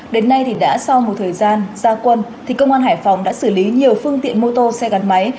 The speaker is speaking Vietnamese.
đến nay thì đã sau một thời gian gia quân công an hải phòng đã xử lý nhiều phương tiện mô tô xe gắn máy